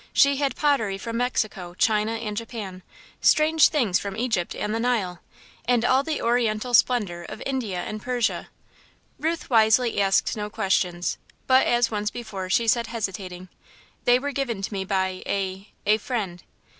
She had pottery from Mexico, China and Japan; strange things from Egypt and the Nile, and all the Oriental splendour of India and Persia. Ruth wisely asked no questions, but once, as before, she said hesitating; "they were given to me by a a friend."